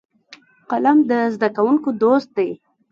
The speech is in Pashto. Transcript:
قلم د زده کوونکو دوست دی